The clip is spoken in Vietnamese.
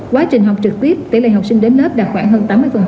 quá trình học trực tiếp tỷ lệ học sinh đến lớp đạt khoảng hơn tám mươi